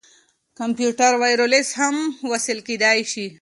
کمپيوټر وايرلس هم وصل کېدلاى سي.